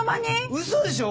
うそでしょ？